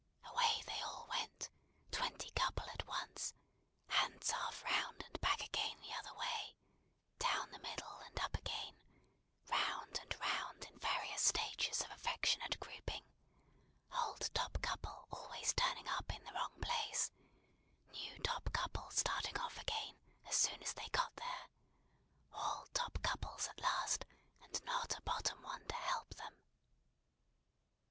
Away they all went, twenty couple at once; hands half round and back again the other way; down the middle and up again; round and round in various stages of affectionate grouping; old top couple always turning up in the wrong place; new top couple starting off again, as soon as they got there; all top couples at last, and not a bottom one to help them!